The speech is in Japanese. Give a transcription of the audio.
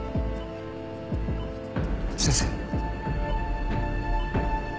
先生？